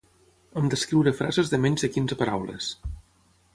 Hem d'escriure frases de menys de quinze paraules